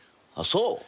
あっそう。